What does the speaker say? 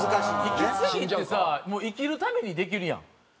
息継ぎってさもう生きるためにできるやん。